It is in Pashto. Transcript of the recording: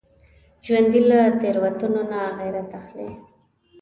ژوندي له تېروتنو نه عبرت اخلي